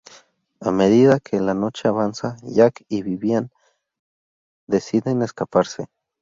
A medida que la noche avanza, Jack y Vivian deciden escaparse.